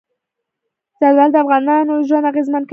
زردالو د افغانانو ژوند اغېزمن کوي.